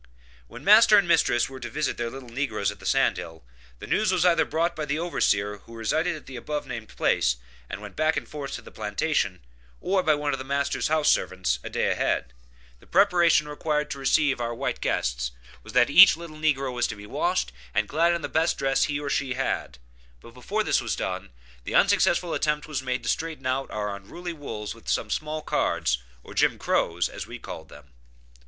When master and mistress were to visit their little negroes at the sand hill, the news was either brought by the overseer who resided at the above named place, and went back and forth to the plantation, or by one of master's house servants, a day ahead. The preparation required to receive our white guests was that each little negro was to be washed, and clad in the best dress he or she had. But before this was done, the unsuccessful attempt was made to straighten out our unruly wools with some small cards, or Jim Crows as we called them.